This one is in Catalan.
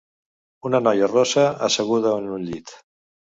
Una noia rossa asseguda en un llit